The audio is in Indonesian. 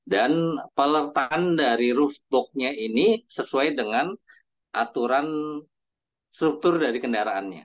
dan pelertakan dari roof boxnya ini sesuai dengan aturan struktur dari kendaraannya